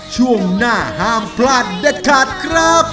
ช่วงหน้าห้ามพลาดเด็ดขาดครับ